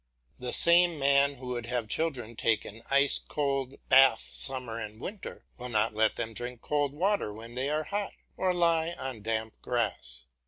The same man who would have children take an ice cold bath summer and winter, will not let them drink cold water when they are hot, or lie on damp grass.